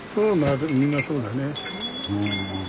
みんなそうだね。